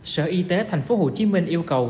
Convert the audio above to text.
sở y tế tp hcm yêu cầu